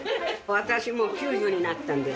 私もう９０になったんです